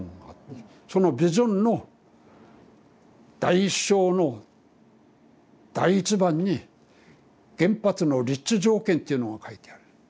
そのビジョンの第１章の第１番に原発の立地条件っていうのが書いてある。